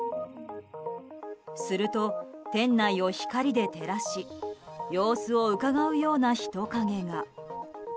すると、店内を光で照らし様子をうかがうような人影が。